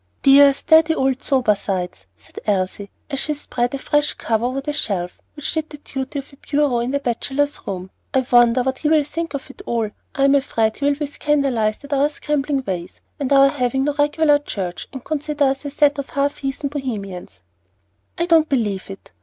"Dear, steady old Sobersides!" said Elsie, as she spread a fresh cover over the shelf which did duty for a bureau in the Bachelors' Room; "I wonder what he will think of it all. I'm afraid he will be scandalized at our scrambling ways, and our having no regular church, and consider us a set of half heathen Bohemians." "I don't believe it.